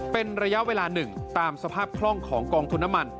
เป็นระยะเวลาหนึ่งตามสภาพคล่องของกองทุนน้ำมัน